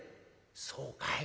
「そうかい？